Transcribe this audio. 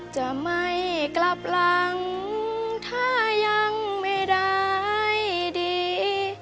จะไม่กลับหลังถ้ายังไม่ได้ดี